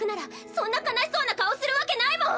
そんな悲しそうな顔するわけないもん！